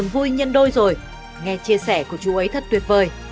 tuy nhiên đôi rồi nghe chia sẻ của chú ấy thật tuyệt vời